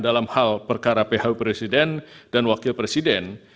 dalam hal perkara ph presiden dan wakil presiden